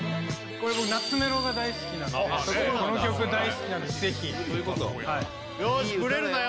これ僕懐メロが大好きなんでこの曲大好きなんでぜひそういうことよーしブレるなよ